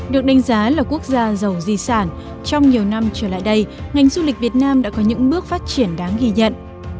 được đánh giá là quốc gia giàu di sản trong nhiều năm trở lại đây ngành du lịch việt nam đã có những bước phát triển đáng ghi nhận